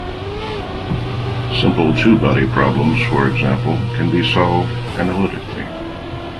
Simple two-body problems, for example, can be solved analytically.